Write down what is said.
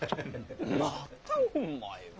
まぁたお前は。